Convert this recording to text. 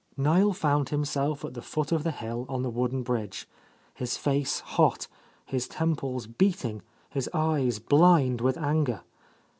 Niel found himself at the foot of the hill on the wooden bridge, his face hot, his temples beating, his eyes blind with anger.